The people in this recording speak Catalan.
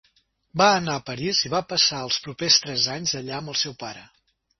Va anar a París i va passar els propers tres anys allà amb el seu pare.